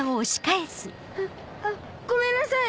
あごめんなさい。